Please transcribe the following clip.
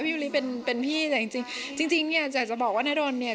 พี่มะลิเป็นพี่จริงเนี่ยจะบอกว่านาดนเนี่ย